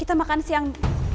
kita makan siang